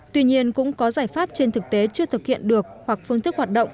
tuy nhiên cũng có giải pháp trên thực tế chưa thực hiện được hoặc phương thức hoạt động